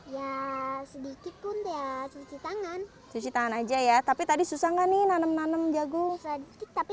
ya sedikit pun ya cuci tangan cuci tangan aja ya tapi tadi susah nggak nih nanam nanam jagung tapi